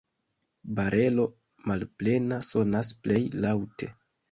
Barelo malplena sonas plej laŭte.